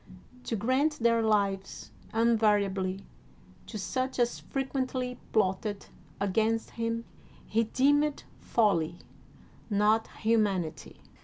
To grant their lives invariably to such as frequently plotted against him he deemed folly, not humanity.